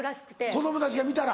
子供たちが見たら。